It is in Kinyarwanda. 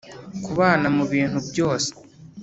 kubana mubintu byose